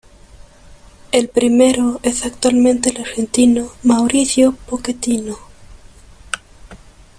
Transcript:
El primero es actualmente el argentino Mauricio Pochettino.